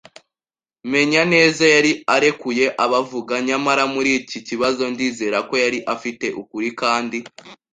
menya neza, yari arekuye abavuga; nyamara muriki kibazo ndizera ko yari afite ukuri kandi